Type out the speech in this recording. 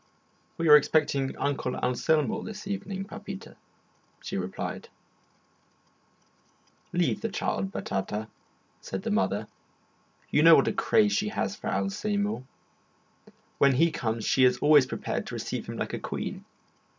"We are expecting Uncle Anselmo this evening, papita," she replied. "Leave the child, Batata," said the mother. "You know what a craze she has for Anselmo: when he comes she is always prepared to receive him like a queen."